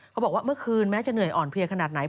บอกว่าเมื่อคืนแม้จะเหนื่อยอ่อนเพลียขนาดไหน